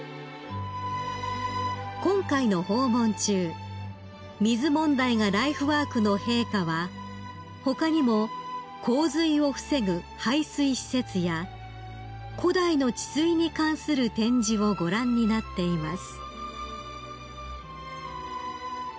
［今回の訪問中水問題がライフワークの陛下は他にも洪水を防ぐ排水施設や古代の治水に関する展示をご覧になっています］